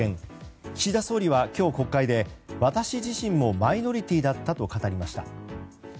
岸田総理は今日国会で私自身もマイノリティーだったと語りました。